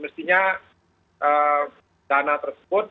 mestinya dana tersebut